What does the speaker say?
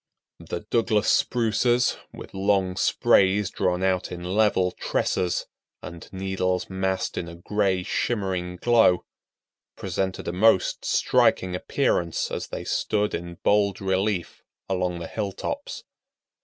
The Douglas Spruces, with long sprays drawn out in level tresses, and needles massed in a gray, shimmering glow, presented a most striking appearance as they stood in bold relief along the hilltops.